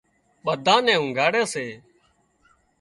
ٻڌانئين نين اونگھاڙي سي